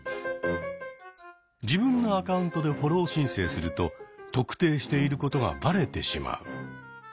自分のアカウントでフォロー申請すると「特定」していることがバレてしまう。